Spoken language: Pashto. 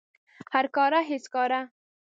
هر کاره هیڅ کاره